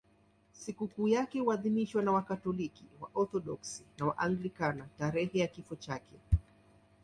Sikukuu yake huadhimishwa na Wakatoliki, Waorthodoksi na Waanglikana tarehe ya kifo chake.